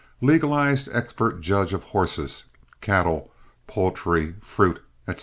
Legalized expert judge of horses, cattle, poultry, fruits, etc.